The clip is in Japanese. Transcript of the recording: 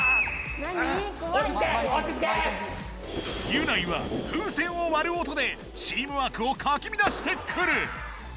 ギュナイは風船をわる音でチームワークをかきみだしてくる！